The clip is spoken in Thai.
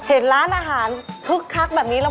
โอ้โฮนานมากเลยค่ะตั้งแต่โควิดเลย